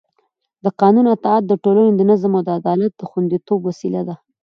د قانون اطاعت د ټولنې د نظم او عدالت د خونديتوب وسیله ده